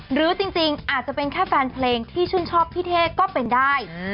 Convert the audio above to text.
หรือจริงอาจจะเป็นแค่แฟนเพลงที่ชื่นชอบพี่เท่ก็เป็นได้